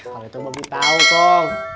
kalau itu boby tau kong